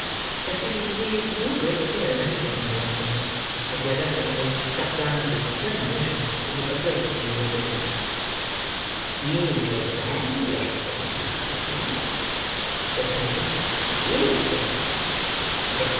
There seemed, indeed, no great fear of anything interrupting him, as he had evidently sat down with a determination to do a great deal of business. "You did well yesterday, my dear," said Fagin. "Beautiful!